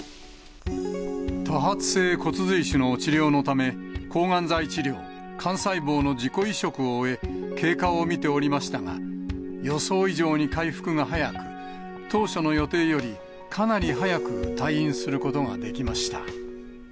多発性骨髄腫の治療のため、抗がん剤治療、幹細胞の自己移植を終え、経過を見ておりましたが、予想以上に回復が早く、当初の予定より、かなり早く退院することができました。